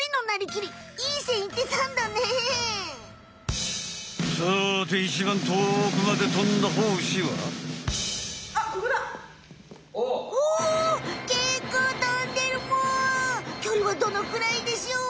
きょりはどのくらいでしょう？